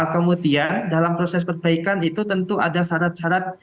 kemudian dalam proses perbaikan itu tentu ada syarat syarat